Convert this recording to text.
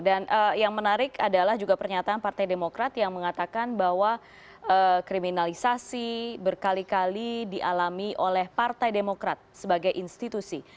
dan yang menarik adalah juga pernyataan partai demokrat yang mengatakan bahwa kriminalisasi berkali kali dialami oleh partai demokrat sebagai institusi